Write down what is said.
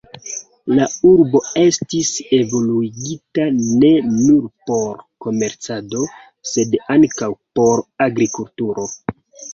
La urbo estis evoluigita ne nur por komercado, sed ankaŭ por agrikulturo.